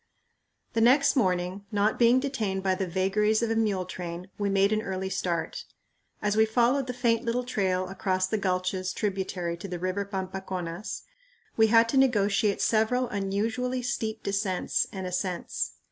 The next morning, not being detained by the vagaries of a mule train, we made an early start. As we followed the faint little trail across the gulches tributary to the river Pampaconas, we had to negotiate several unusually steep descents and ascents.